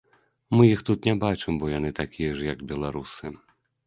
Мы іх тут не бачым, бо яны такія ж як беларусы.